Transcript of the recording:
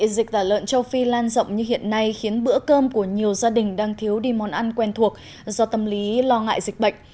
dịch tả lợn châu phi lan rộng như hiện nay khiến bữa cơm của nhiều gia đình đang thiếu đi món ăn quen thuộc do tâm lý lo ngại dịch bệnh